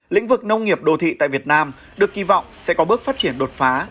lĩnh vực nông nghiệp đô thị tại việt nam được kỳ vọng sẽ có bước phát triển đột phá